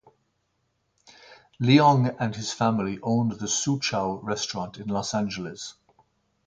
Leong and his family owned the Soochow Restaurant in Los Angeles.